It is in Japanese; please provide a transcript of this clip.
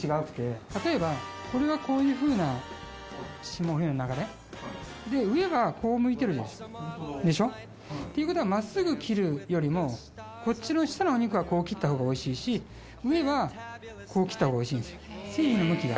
例えばこれはこういうふうな霜降りの流れで上はこう向いてるじゃないですかでしょ？ということは真っすぐ切るよりもこっちの下のお肉はこう切ったほうがおいしいし上はこう切ったほうがおいしいんですよ。